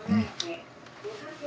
うん！